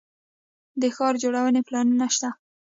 د ښار جوړونې پلانونه شته